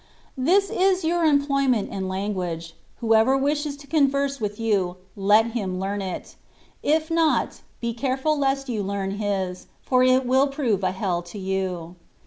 This is your employment and language ; who ever wishes to converse with you, let him learn it; if not, be careful lest you learn his, for it will prove a hell to you.